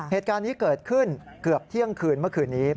เหตุการณ์นี้เกิดขึ้นเกือบเที่ยงคืนเมื่อคืนนี้